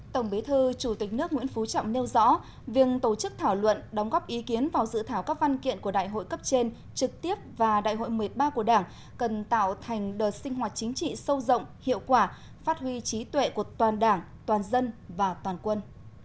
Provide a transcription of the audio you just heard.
tổng bí thư chủ tịch nước nguyễn phú trọng nêu rõ việc tổ chức thảo luận đóng góp ý kiến vào dự thảo các văn kiện của đại hội cấp trên trực tiếp và đại hội một mươi ba của đảng cần tạo thành đợt sinh hoạt chính trị sâu rộng hiệu quả phát huy trí tuệ của toàn đảng toàn dân và toàn quân